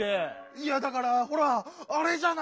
いやだからほら「あれ」じゃないか！